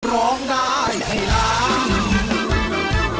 ร้องได้ให้ล้าน